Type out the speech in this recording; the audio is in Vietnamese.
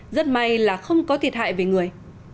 rất may là không có thiệt hại về người